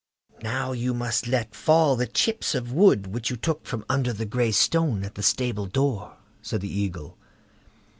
"Now, you must let fall the chips of wood which you took from under the gray stone at the stable door", said the Eagle.